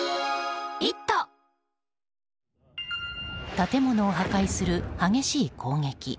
建物を破壊する激しい攻撃。